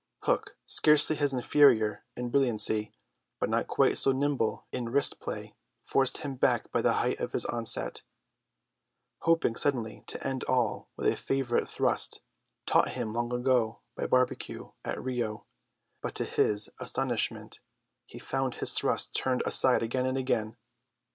Hook, scarcely his inferior in brilliancy, but not quite so nimble in wrist play, forced him back by the weight of his onset, hoping suddenly to end all with a favourite thrust, taught him long ago by Barbecue at Rio; but to his astonishment he found this thrust turned aside again and again.